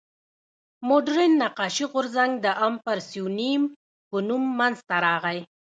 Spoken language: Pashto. مډرن نقاشي غورځنګ د امپرسیونیېم په نوم منځ ته راغی.